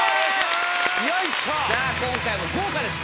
さぁ今回も豪華です。